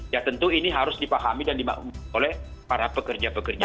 ya tentu ini harus dipahami oleh para pekerja pekerja kita